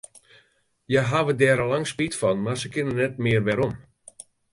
Hja hawwe dêr al lang spyt fan, mar se kinne net mear werom.